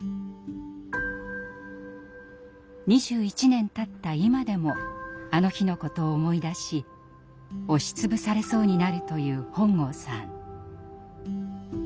２１年たった今でもあの日のことを思い出し押しつぶされそうになるという本郷さん。